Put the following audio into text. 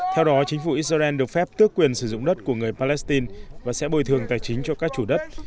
theo đó chính phủ israel được phép tước quyền sử dụng đất của người palestine và sẽ bồi thường tài chính cho các chủ đất